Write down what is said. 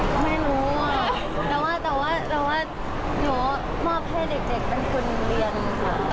มอบให้เด็กเป็นคนเรียนการชงที่นหัวขนมเป็นพิธีที่คนมีเยอะมากอยู่แล้วค่ะ